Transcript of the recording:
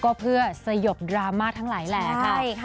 ก็เพื่อสยบดราม่าทั้งหลายแหล่ค่ะ